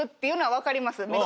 分かります？